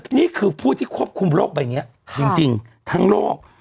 นี่คือผู้ที่ควบคุมโรคใบนี้จริงทั้งโลก